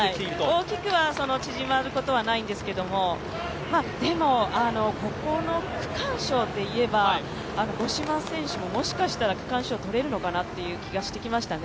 大きくは縮まることはないんですけど、でも、ここの区間賞といえば、五島選手ももしかしたら区間賞取れるのかなという気がしてきましたね。